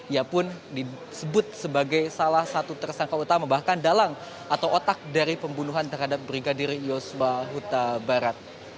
ia pun disebut sebagai salah satu tersangka utama bahkan dalang atau otak dari pembunuhan terhadap brigadir yosua huta barat